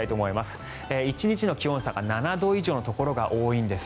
１日の気温差が７度以上のところが多いんです。